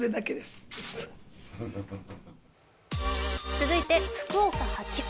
続いて福岡８区。